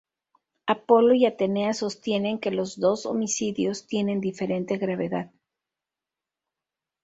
Apolo y Atenea sostienen que los dos homicidios tienen diferente gravedad.